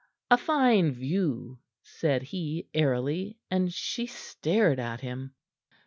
"A fine view," said he airily, and she stared at him.